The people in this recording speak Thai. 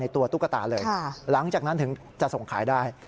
ตัวตุ๊กตาเลยหลังจากนั้นถึงจะส่งขายได้